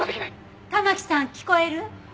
玉城さん聞こえる？